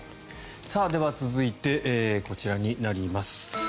では、続いてこちらになります。